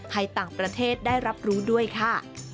ให้ต่างประเทศได้รับรู้ด้วยค่ะ